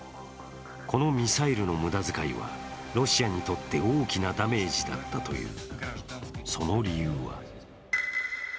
このミサイルの無駄遣いは、ロシアにとって大きなダメージだったという。